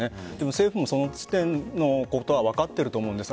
政府も、その時点でそのことは分かっていると思います。